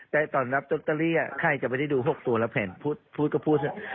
แต่ตอนรับลอตเตอรี่ใครจะไม่ได้ดู๖ตัวแล้วแผนพูดก็พูด